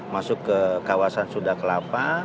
masuk ke kawasan sudakalapa